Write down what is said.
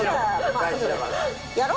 大事だから。